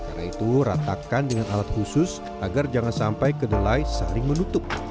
karena itu ratakan dengan alat khusus agar jangan sampai kedelai saling menutup